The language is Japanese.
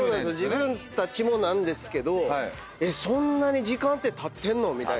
自分たちもなんですけどそんなに時間ってたってんの⁉みたいな。